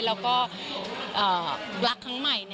แล้วก็รักครั้งใหม่